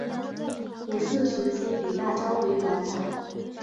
五四时期李大钊为馆长。